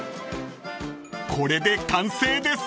［これで完成です］